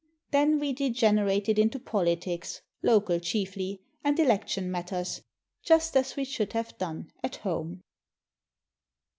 Then we degenerated into politics — local chiefly, and election matters, just as we should have done at home.